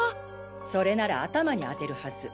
それなら頭にあてるはず。